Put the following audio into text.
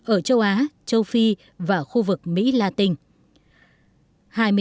ở châu á châu phi và khu vực mỹ la tinh